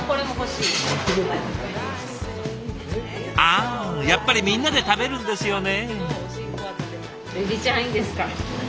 あやっぱりみんなで食べるんですよね。